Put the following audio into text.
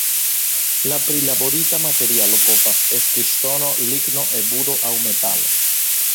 La prilaborita materialo povas esti ŝtono, ligno, eburo aŭ metalo.